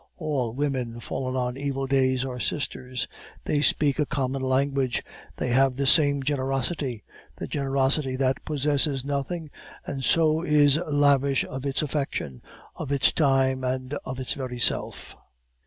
All women fallen on evil days are sisters; they speak a common language; they have the same generosity the generosity that possesses nothing, and so is lavish of its affection, of its time, and of its very self.